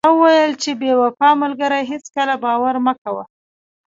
هغه وویل چې په بې وفا ملګري هیڅکله باور مه کوه.